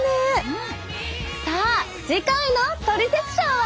さあ次回の「トリセツショー」は？